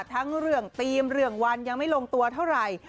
ทั้งเรื่องธีมเรื่องวันยังไม่ลงตัวเท่าไหร่